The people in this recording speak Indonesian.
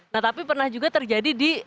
nah tapi pernah juga terjadi di